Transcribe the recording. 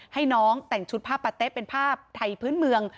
ให้น้องแต่งชุดผ้าปะเต๊ะเป็นภาพไทยพื้นเมือง